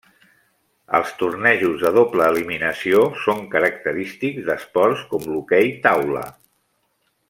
Els tornejos de doble eliminació són característics d'esports com l'hoquei taula.